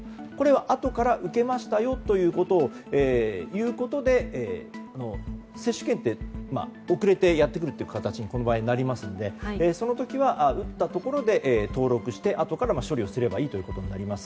後から受けましたよということを言うことで接種券は遅れてやってくる形にこの場合、なりますのでその時は打ったところで登録してあとから処理をすればいいということになります。